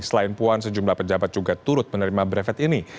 selain puan sejumlah pejabat juga turut menerima brevet ini